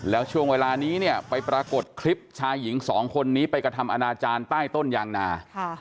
แล้วช่วงเวลานี้เนี่ยไปปรากฏคลิปชายหญิงสองคนนี้ไปกระทำอนาจารย์ใต้ต้นยางนา